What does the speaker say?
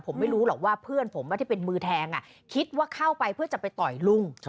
ผมไม่รู้หรอกว่าเพื่อนผมที่เป็นมือแทงคิดว่าเข้าไปเพื่อจะไปต่อยลุง